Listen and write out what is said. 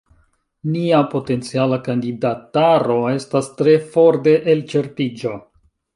Nia potenciala kandidataro estas tre for de elĉerpiĝo.